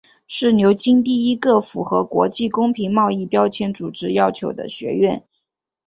是牛津第一个符合国际公平贸易标签组织要求的学院。